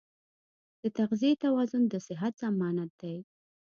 د تغذیې توازن د صحت ضمانت دی.